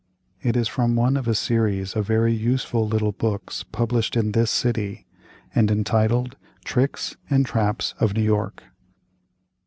It is from one of a series of very useful little books published in this city, and entitled, "Tricks and Traps of New York."